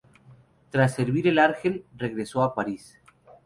Tras servir en Argel, regresó a París.